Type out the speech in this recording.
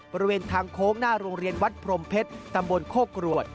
บริเวณทางโค้งหน้าโรงเรียนวัดพรมเพชรตำบลโคกรวด